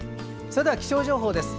それでは気象情報です。